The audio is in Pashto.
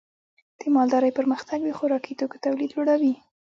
د مالدارۍ پرمختګ د خوراکي توکو تولید لوړوي.